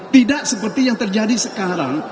tidak seperti yang terjadi sekarang